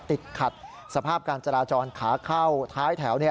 ติดขัดสภาพการจราจรขาเข้าท้ายแถว